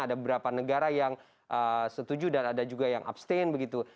ada beberapa negara yang setuju dan ada juga yang abstain begitu